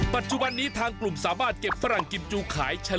ปัจจุบันนี้ทางกลุ่มสามารถเก็บฝรั่งกิมจูขายเฉล